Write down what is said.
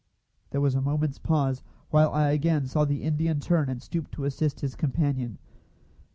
There was a moment's pause while I saw the Indian turn and stoop to assist his companion.